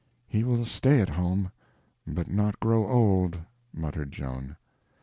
"He will stay at home, but not grow old," murmured Joan.